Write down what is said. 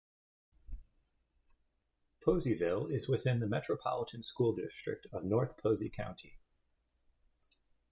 Poseyville is within the Metropolitan School District of North Posey County.